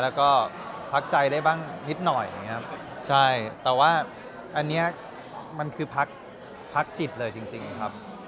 แล้วก็พักใจได้บ้างนิดหน่อยอย่างนี้ครับใช่แต่ว่าอันนี้มันคือพักจิตเลยจริงครับ